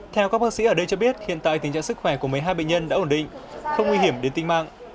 theo các bác sĩ ở đây cho biết hiện tại tình trạng sức khỏe của mấy hai bệnh nhân đã ổn định không nguy hiểm đến tinh mạng